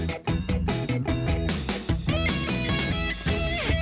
สวัสดีค่ะ